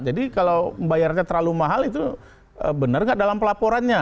jadi kalau membayarnya terlalu mahal itu benar nggak dalam pelaporannya